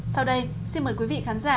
sau đây xin mời quý vị khán giả